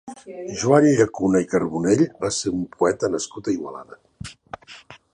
Joan Llacuna i Carbonell va ser un poeta nascut a Igualada.